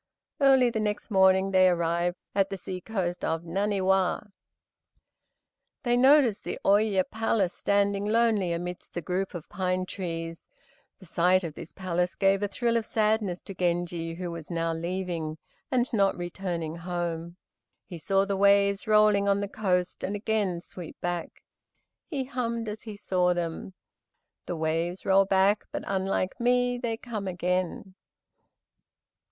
Early the next morning they arrived at the sea coast of Naniwa. They noticed the Ôye Palace standing lonely amidst the group of pine trees. The sight of this palace gave a thrill of sadness to Genji, who was now leaving, and not returning, home. He saw the waves rolling on the coast and again sweep back. He hummed, as he saw them: "The waves roll back, but unlike me, They come again."